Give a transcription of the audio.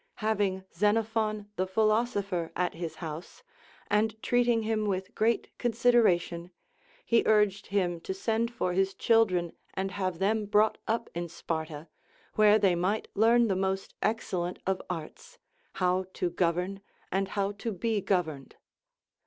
Having Xenophon the philosopher at his house, and treating him with great consideration, he urged him to send for his children and have them brought up in Sparta, where they might learn the most excellent of arts, how to govern and how to be governed.